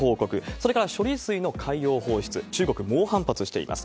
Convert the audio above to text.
それから、処理水の海洋放出、中国、猛反発しています。